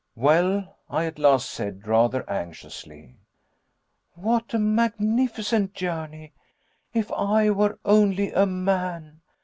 "Well?" I at last said, rather anxiously. "What a magnificent journey. If I were only a man!